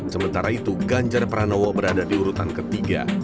sementara itu ganjar pranowo berada di urutan ketiga